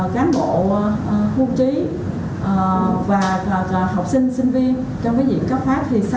cán bộ khu trí và học sinh sinh viên trong cái diện cấp phát